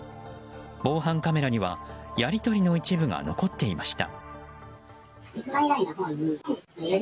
防犯カメラにはやり取りの一部が残っていました。